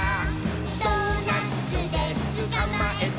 「ドーナツでつかまえた！」